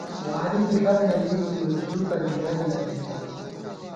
واری کی ݪم نہ لېئیکی زُکہ گِرَئی لېدِمېت